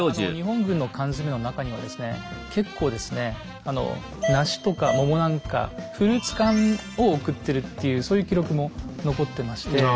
あの日本軍の缶詰の中にはですね結構ですねあの梨とか桃なんかフルーツ缶を送ってるっていうそういう記録も残ってまして。